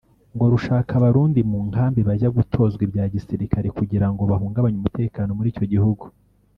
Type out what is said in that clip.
ngo rushaka Abarundi mu nkambi bajya gutozwa ibya gisirikare kugira ngo bahungabanye umutekano muri icyo gihugu